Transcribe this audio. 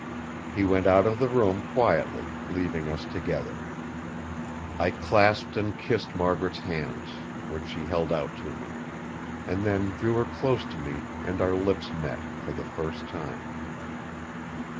He went out of the room quietly, leaving us together. I clasped and kissed Margaret's hands, which she held out to me, and then drew her close to me, and our lips met for the first time.